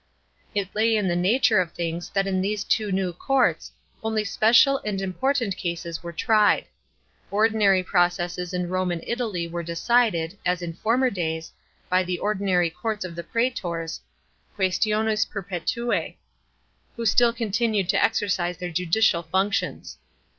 It lay in the nature of things that in these two new courts only special and important causes were tried. Ordinary processes in Rome and Italy were decided, as in former days, by the ordinary courts of the praetors (quaestiones perpetuse), who still continued to exercise their judicial functions.